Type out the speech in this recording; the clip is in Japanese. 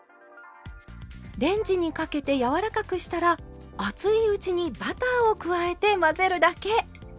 レンジにかけて柔らかくしたら熱いうちにバターを加えて混ぜるだけ。